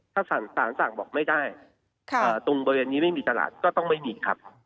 ถ้าสารสั่งบอกไม่ได้ตรงบริเวณนี้ไม่มีตลาดก็ต้องไม่มีครับ